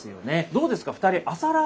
どうですか？